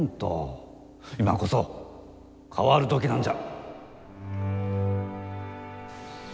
今こそ変わる時なんじゃ。